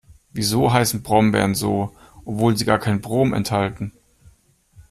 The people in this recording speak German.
Wieso heißen Brombeeren so, obwohl sie gar kein Brom enthalten?